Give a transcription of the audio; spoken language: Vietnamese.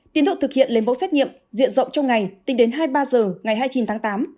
tiến độ thực hiện lấy mẫu xét nghiệm diện rộng trong ngày tính đến hai mươi ba h ngày hai mươi chín tháng tám